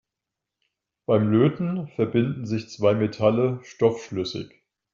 Beim Löten verbinden sich zwei Metalle stoffschlüssig.